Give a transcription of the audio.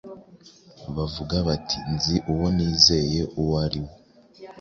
bavuga bati: “Nzi uwo nizeye uwo ari we,